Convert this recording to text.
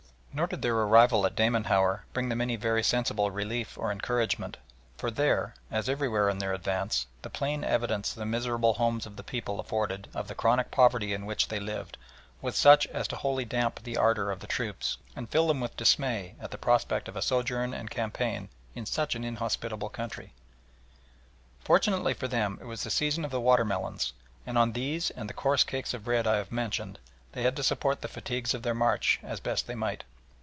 Nor did their arrival at Damanhour bring them any very sensible relief or encouragement, for there, as everywhere on their advance, the plain evidence the miserable homes of the people afforded of the chronic poverty in which they lived, was such as to wholly damp the ardour of the troops and fill them with dismay at the prospect of a sojourn and campaign in such an inhospitable country. Fortunately for them it was the season of the water melons, and on these and the coarse cakes of bread I have mentioned they had to support the fatigues of their march as best they might.